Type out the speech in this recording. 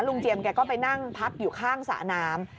ลุงเจียมแกก็ไปนั่งพักอยู่ข้างสานาม